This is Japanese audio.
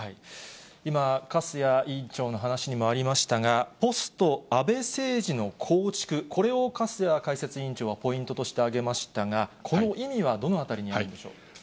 今、粕谷委員長の話にもありましたが、ポスト安倍政治の構築、これを粕谷解説委員長はポイントとして挙げましたが、この意味はどのあたりにあるんでしょう。